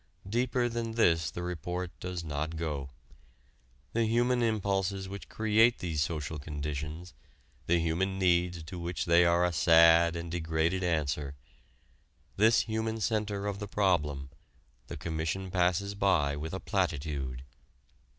Deeper than this the report does not go. The human impulses which create these social conditions, the human needs to which they are a sad and degraded answer this human center of the problem the commission passes by with a platitude.